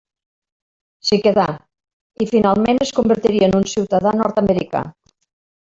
S'hi quedà i finalment es convertiria en un ciutadà nord-americà.